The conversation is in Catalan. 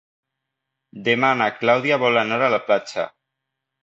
Demà na Clàudia vol anar a la platja.